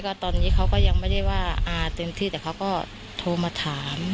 ก็ตอนนี้เขาก็ยังไม่ได้ว่าอาเต็มที่แต่เขาก็โทรมาถาม